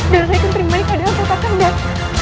dan saya akan terima dikadang kata kakak andet